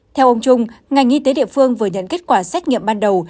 theo ông trung ngành y tế địa phương vừa nhận kết quả xét nghiệm ban đầu